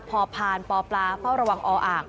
พอผ่านปปลาเฝ้าระวังออ่าง